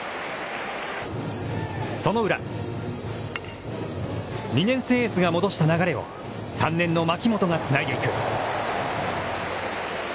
その裏、２年生エースが戻した流れを３年の槙本がつないでいく。